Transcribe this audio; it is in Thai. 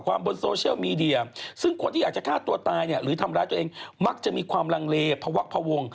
ในสื่อออนไลน์ของเขาก่อนเลยว่าอยากจะฆ่าตัวตาย